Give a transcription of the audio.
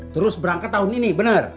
terus berangkat tahun ini benar